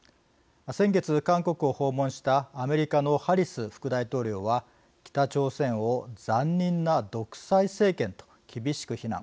先月、韓国を訪問したアメリカのハリス副大統領は北朝鮮を残忍な独裁政権と厳しく非難。